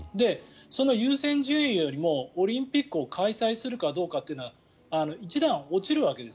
その優先順位よりもオリンピックを開催するかどうかというのは一段落ちるわけです。